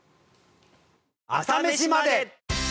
「朝メシまで。」。